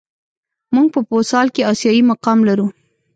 موږ په فوسال کې آسیايي مقام لرو.